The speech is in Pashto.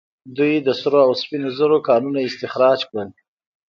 دوی د سرو او سپینو زرو کانونه استخراج کړل